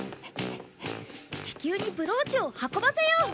気球にブローチを運ばせよう！